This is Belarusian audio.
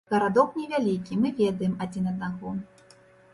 Гарадок невялікі, мы ведаем адзін аднаго.